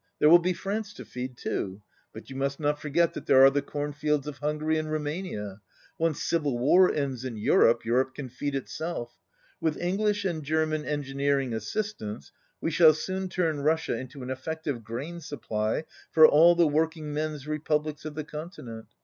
There will be France to feefd too. But you must not forget that there are the cornfields of Hungary and Roumania. Once civil war ends in Europe, Europe can feed herself. With Eng lish and German engineering assistance we shall soon turn Russia into an effective grain supply for all the working men's republics of the Continent.